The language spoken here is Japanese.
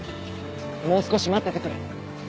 もう少し待っててくれ。